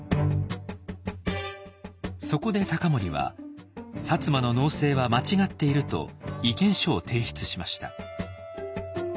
そこで隆盛は「摩の農政は間違っている」と意見書を提出しました。